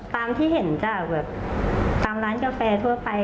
ตามที่เห็นจากแบบตามร้านกาแฟทั่วไป